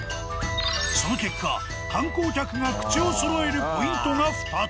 その結果観光客が口をそろえるポイントが２つ。